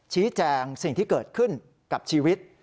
ชี้แจงสิ่งที่เกิดขึ้นกับชีวิต